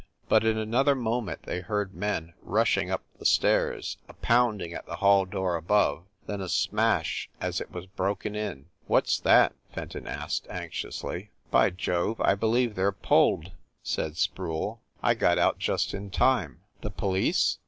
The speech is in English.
But, in another moment they heard men rushing up the stairs, a pounding at the hall door above, then a smash as it was bro ken in. "What s that?" Fenton asked, anxiously. "By Jove, I believe they re pulled!" said Sproule. "I got out just in time." "The police